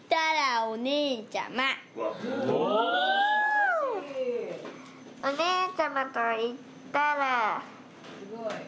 ・お姉ちゃまといったら。